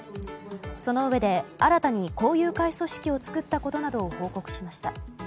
そのうえで、新たに校友会組織を作ったことなどを報告しました。